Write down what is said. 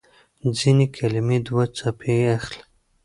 ځينې کلمې دوه څپې اخلي.